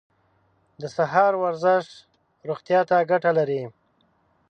د سهار ورزش روغتیا ته ګټه لري.